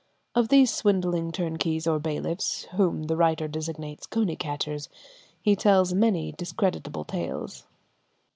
Of these swindling turnkeys or bailiffs, whom the writer designates "coney catchers," he tells many discreditable tales.